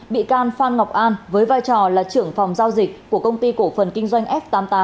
bị can phan ngọc an với vai trò là trưởng phòng giao dịch của công ty cổ phần kinh doanh f tám mươi tám